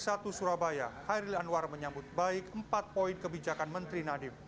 kepala sma negeri satu surabaya hairil anwar menyambut baik empat poin kebijakan menteri nadiem